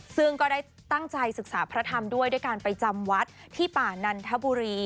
ซึ่งก็ได้ตั้งใจศึกษาพระธรรมด้วยด้วยการไปจำวัดที่ป่านันทบุรี